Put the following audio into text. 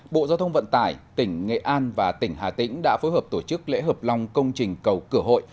bộ giao thông vận tải tỉnh nghệ an và tỉnh hà tĩnh đã phối hợp tổ chức lễ hợp lòng công trình cầu cửa hội